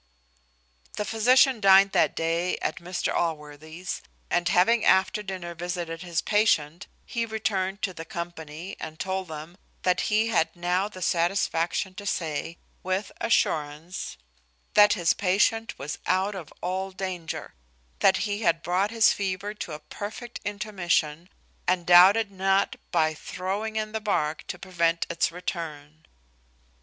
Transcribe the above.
The physician dined that day at Mr Allworthy's; and having after dinner visited his patient, he returned to the company, and told them, that he had now the satisfaction to say, with assurance, that his patient was out of all danger: that he had brought his fever to a perfect intermission, and doubted not by throwing in the bark to prevent its return.